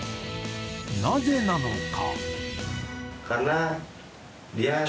なぜなのか。